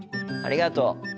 ありがとう。